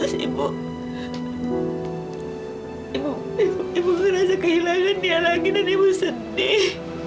ibu ibu merasa kehilangan dia lagi dan ibu sedih